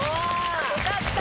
よかった！